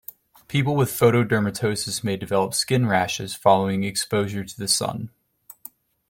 People with photodermatoses may develop skin rashes following exposure to the sun.